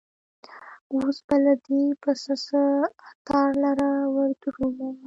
اوس به له دې پسه څه عطار لره وردرومم